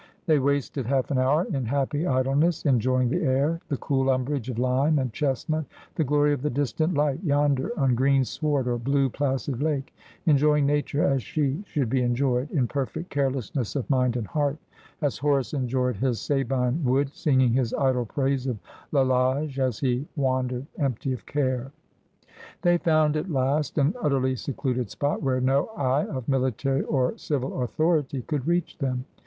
They wasted half an hour in happy idleness, enjoying the air, the cool umbrage of lime and chestnut, the glory of the distant light yonder on green sward or blue placid lake, enjoy ing Nature as she should be enjoyed, in perfect carelessness of mind and heart — as Horace enjoyed his Sabine wood, singing his idle praise of Lalage as he wandered, empty of care. They found at last an utterly secluded spot, where no eye of military or civil authority could reach them.